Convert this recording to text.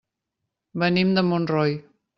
Venim de Montroi.